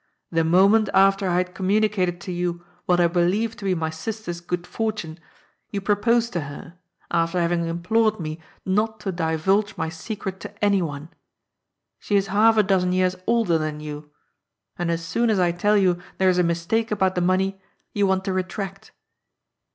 The moment after I had com municated to you what I believed to be my sister's good fortune, you propose to her, after having implored me not lYO ^^I>'S POOL. to diynlge my secret to any one. She is half a dozen years older than you. And as soon as I tell you there's a mis take about the money, you want to retract.